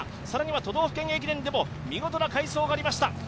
さらには都道府県駅伝でも見事な快走がありました。